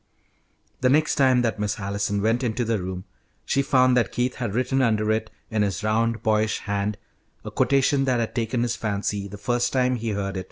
The next time that Miss Allison went into the room she found that Keith had written under it in his round, boyish hand, a quotation that had taken his fancy the first time he heard it.